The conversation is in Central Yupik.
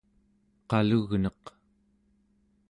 qalugneq